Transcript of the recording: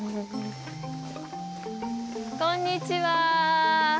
こんにちは。